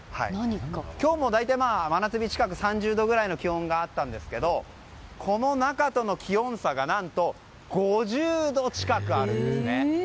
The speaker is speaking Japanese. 今日も大体、真夏日近く３０度ぐらいの気温があったんですけどこの中との気温差が何と５０度近くあるんですね。